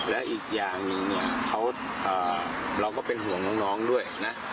และอีกอย่างหนึ่งเนี่ยเราก็เป็นห่วงน้องด้วยนะ